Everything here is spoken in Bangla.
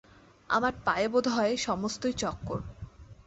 আমার পায়ে বোধ হয় সমস্তই চক্কর।